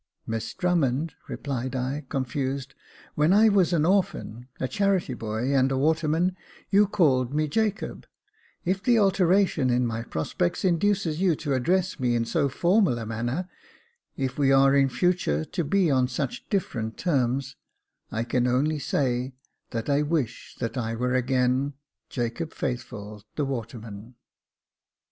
" Miss Drummond," replied I, confused, " when I was an orphan, a charity boy, and a waterman, you called me Jacob : if the alteration in my prospects induces you to address me in so formal a manner — if we are in future to be on such different terms — I can only say, that I wish that I were again — ^Jacob Faithful, the waterman."